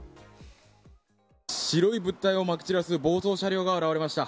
白い物体をまき散らす暴走車両が現れました。